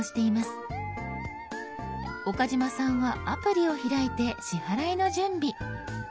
岡嶋さんはアプリを開いて支払いの準備。